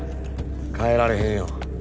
変えられへんよ。